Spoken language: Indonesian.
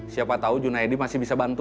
siapa tahu junaidi masih bisa bantu